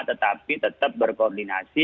tetapi tetap berkoordinasi